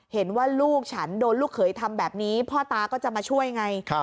เห็นว่าลูกฉันโดนลูกเขยทำแบบนี้พ่อตาก็จะมาช่วยไง